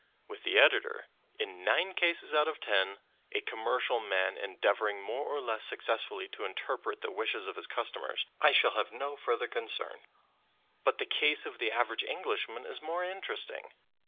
With the editor, in nine cases out of ten a commercial man endeavouring more or less successfully to interpret the wishes of his customers, I shall have no further concern, but the case of the average Englishman is more interesting.